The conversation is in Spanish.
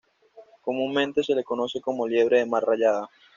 Comúnmente se le conoce como liebre de mar rayada.